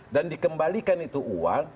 dan dikembalikan itu uang